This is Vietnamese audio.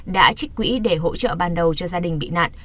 đã trích quỹ để hỗ trợ ban đầu cho gia đình bị nạn